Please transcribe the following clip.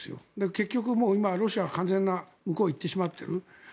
結局、今、ロシアは完全に向こうに行ってしまってる。